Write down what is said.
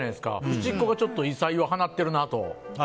ふしっこがちょっと異彩を放っているなと。